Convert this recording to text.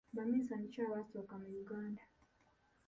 Baminsani ki abasooka mu Uganda?